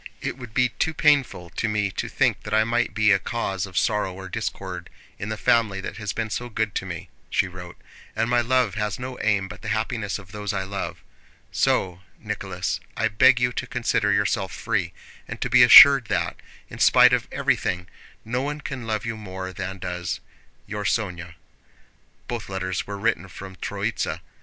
It would be too painful to me to think that I might be a cause of sorrow or discord in the family that has been so good to me (she wrote), and my love has no aim but the happiness of those I love; so, Nicholas, I beg you to consider yourself free, and to be assured that, in spite of everything, no one can love you more than does Your Sónya Both letters were written from Tróitsa.